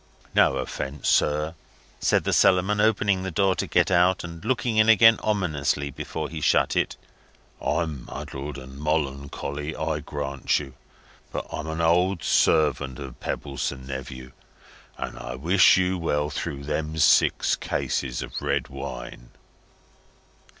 No offence, sir," said the Cellarman, opening the door to go out, and looking in again ominously before he shut it. "I'm muddled and molloncolly, I grant you. But I'm an old servant of Pebbleson Nephew, and I wish you well through them six cases of red wine."